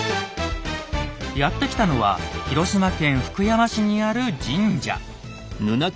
やって来たのは広島県福山市にある神社。